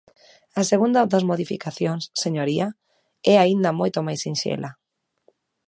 A segunda das modificacións, señoría, é aínda moito máis sinxela.